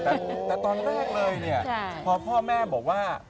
แต่ตอนแรกเลยเนี่ยพอพ่อแม่บอกว่า